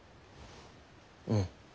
うん。